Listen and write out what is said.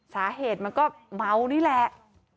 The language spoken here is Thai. สาเหตุมันก็เมานี่แหละ